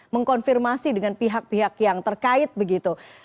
mengkonfirmasi dengan pihak pihak yang terkait begitu